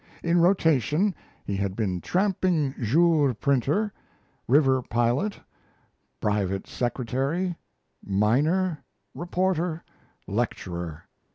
In rotation he had been tramping jour printer, river pilot, private secretary, miner, reporter, lecturer.